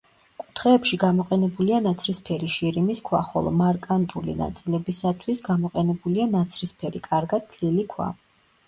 კუთხეებში გამოყენებულია ნაცრისფერი შირიმის ქვა, ხოლო მარკანტული ნაწილებისათვის გამოყენებულია ნაცრისფერი, კარგად თლილი ქვა.